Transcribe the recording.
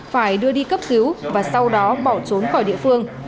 phải đưa đi cấp cứu và sau đó bỏ trốn khỏi địa phương